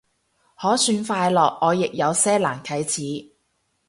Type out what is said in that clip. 可算快樂，我亦有些難啟齒